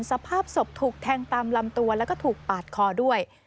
สภาพศพถูกแทงตามลำตัวแล้วก็ถูกปาดคอด้วย